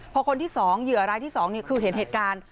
พอคนที่๒เหยื่อรายที่๒คือเห็นเหตุการณ์